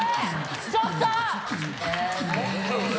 ちょっと！